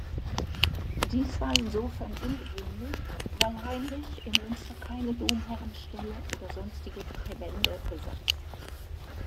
Dies war insofern ungewöhnlich, weil Heinrich in Münster keine Domherrenstelle oder sonstige Präbende besaß.